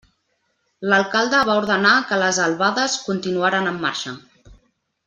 L'alcalde va ordenar que les albades continuaren la marxa.